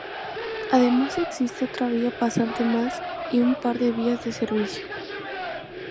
Además existe otra vía pasante más y un par de vías de servicio.